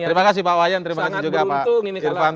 terima kasih pak wayan terima kasih juga pak irfan